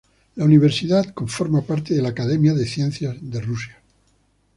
La universidad conforma parte de la Academia de Ciencias de Rusia.